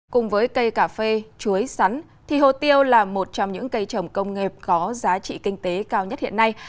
cùng với cây cà phê chuối sắn thì hồ tiêu là một trong những cây trồng công nghiệp có giá trị kinh tế cao nhất hiện nay